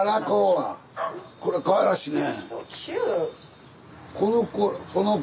これかわいらしいね。